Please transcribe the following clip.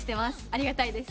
ありがたいです。